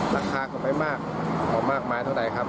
ราคาก็ไม่มากมากมายเท่าไหร่ครับ